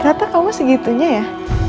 ternyata kamu segitunya ya